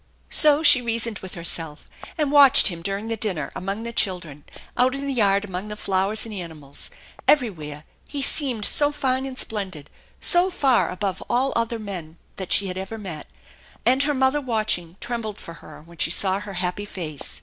So she reasoned with herself, and watched him during the dinner, among the children, out in the yard among the flowers and animals, everywhere, he seemed so fine and splendid, so farj above all other men that she had ever met. A.nd her mother, watching, trembled for her when she saw her happy face.